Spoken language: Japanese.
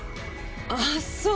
あっそう。